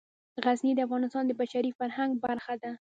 غزني د افغانستان د بشري فرهنګ برخه ده.